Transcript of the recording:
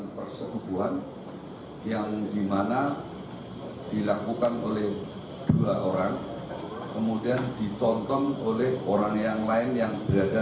pertunjukan yang dimana dilakukan oleh dua orang kemudian ditonton oleh orang yang lain yang berada dalam satu kamar